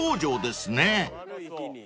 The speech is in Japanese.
そうですね。